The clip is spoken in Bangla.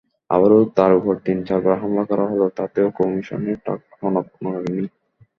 আবার তাঁর ওপর তিন-চারবার হামলা করা হলো, তাতেও কমিশনের টনক নড়েনি।